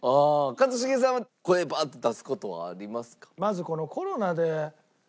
一茂さんは声バーッて出す事はありますか？